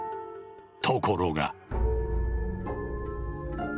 ところが。